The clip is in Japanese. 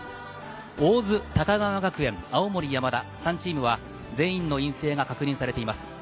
大津、高川学園、青森山田、３チームは全員の陰性が確認されています。